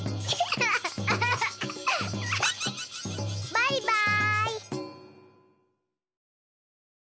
バイバーイ！